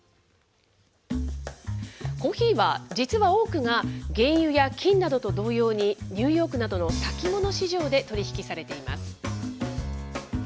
コーヒーは、実は多くが、原油や金などと同様に、ニューヨークなどの先物市場で取り引きされています。